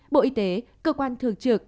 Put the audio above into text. bộ y tế cơ quan thường trực